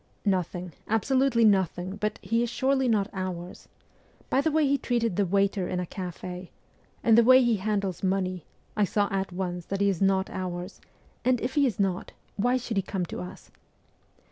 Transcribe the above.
' Nothing, absolutely nothing ; but he is surely not " ours." By the way he treated the waiter in a cafe, and the way he handles money, I saw at once that he is not " ours," and if he is not why should he come to us